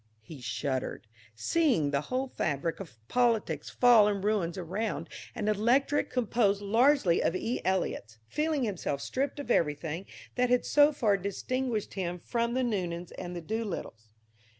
He shuddered, seeing the whole fabric of politics fall in ruins around an electorate composed largely of E. Eliots, feeling himself stripped of everything that had so far distinguished him from the Noonans and the Doolittles.